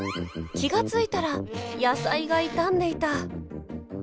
気が付いたら野菜が傷んでいた。